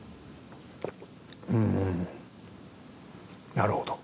なるほど。